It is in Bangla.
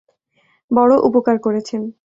বড়ো উপকার করেছেন।